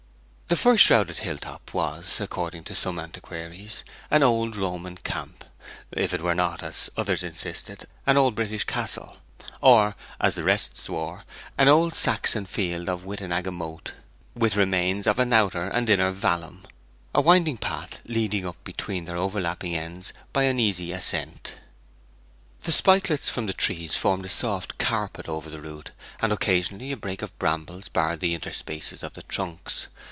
The fir shrouded hill top was (according to some antiquaries) an old Roman camp, if it were not (as others insisted) an old British castle, or (as the rest swore) an old Saxon field of Witenagemote, with remains of an outer and an inner vallum, a winding path leading up between their overlapping ends by an easy ascent. The spikelets from the trees formed a soft carpet over the route, and occasionally a brake of brambles barred the interspaces of the trunks.